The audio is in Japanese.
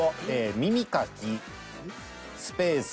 耳かきスペース。